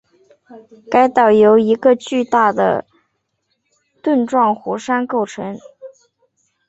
该岛由一个巨大的盾状火山构成